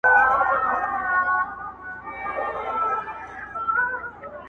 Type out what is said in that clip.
لړۍ د اوښکو ګريوانه ته تلله-